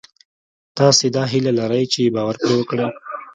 تاسې دا هیله لرئ چې باور پرې وکړئ